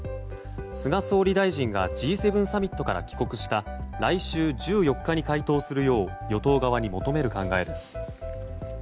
菅総理大臣がＧ７サミットから帰国した来週１４日に回答するよう与党側に求める考えです。